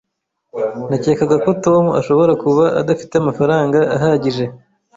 Nakekaga ko Tom ashobora kuba adafite amafaranga ahagije.